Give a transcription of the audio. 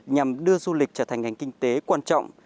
nhằm đưa du lịch trở thành ngành kinh tế quan trọng